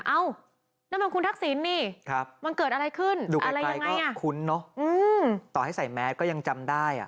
เอ้านั่นมันคุณทักษิณนี่มันเกิดอะไรขึ้นดุอะไรยังไงอ่ะคุ้นเนอะต่อให้ใส่แมสก็ยังจำได้อ่ะ